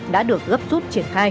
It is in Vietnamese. đã được gấp rút